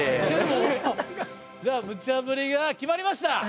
じゃあムチャぶりが決まりました！